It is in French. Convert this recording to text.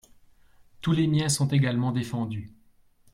Tous les miens sont également défendus.